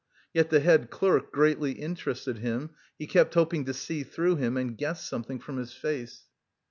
Yet the head clerk greatly interested him, he kept hoping to see through him and guess something from his face.